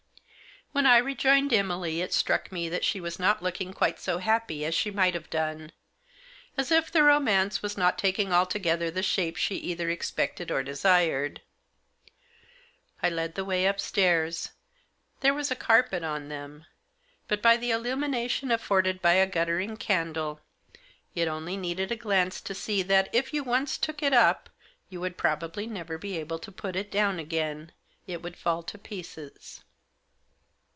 When I rejoined Emily it struck me that she was not looking quite so happy as she might have done ; as if the romance was not taking altogether the shape she either expected or desired. I led the way upstairs. There was a carpet on them ; but by the iEumination afforded by a guttering candle, it only needed a glance to see that, if you once took it up, you would probably never be able to put it down again — it would fall to pieces.